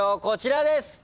こちらです。